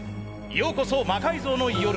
ようこそ「魔改造の夜」へ。